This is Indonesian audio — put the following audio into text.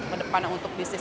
kedepannya untuk bisnis